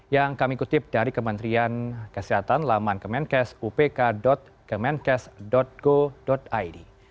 yang kami kutip dari kementerian kesehatan laman kemenkes upk kemenkes go id